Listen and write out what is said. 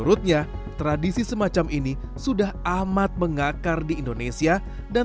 kita sisir kembali tentang masalah